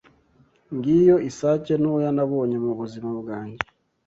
Ngiyo isake ntoya nabonye mubuzima bwanjye.